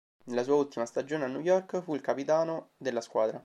Nella sua ultima stagione a New York fu il capitano della squadra.